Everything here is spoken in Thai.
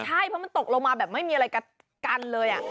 ใช่เพราะมันตกลงมาแบบไม่มีอะไรกันเลย